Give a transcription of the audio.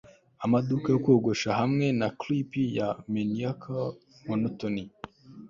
amaduka yo kogosha hamwe na clipi ya maniacal, monotony